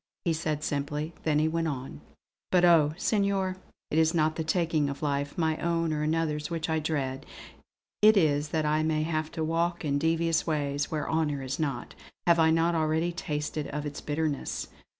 he said simply, then he went on: "But oh! Senor, it is not the taking of life, my own or another's, which I dread. It is that I may have to walk in devious ways, where honour is not; have I not already tasted of its bitterness!